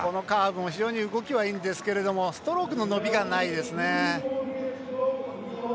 カーブも非常に動きはいいんですけどストロークの伸びがないですね。